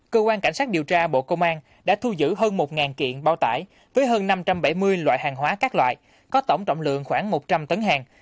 cơ quan cảnh sát điều tra bộ công an đã thu giữ hơn một kiện bao tải với hơn năm trăm bảy mươi loại hàng hóa các loại có tổng trọng lượng khoảng một trăm linh tấn hàng